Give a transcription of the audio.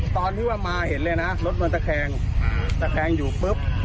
ตอนที่ว่ามาเห็นเลยนะรถมันตะแคงตะแคงอยู่ปุ๊บ